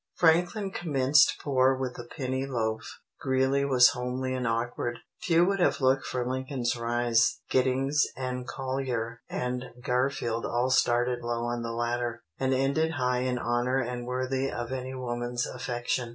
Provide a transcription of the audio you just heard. Franklin commenced poor with a penny loaf; Greeley was homely and awkward. Few would have looked for Lincoln's rise. Giddings and Collier and Garfield all started low on the ladder, and ended high in honor and worthy of any woman's affection.